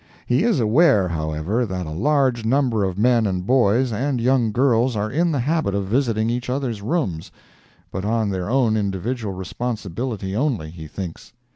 He is aware, however, that a large number of men and boys and young girls are in the habit of visiting each other's rooms, but on their own individual responsibility only, he thinks.